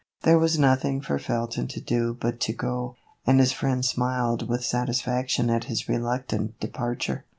There was nothing for Felton to do but to go, and his friend smiled with satisfaction at his re luctant departure.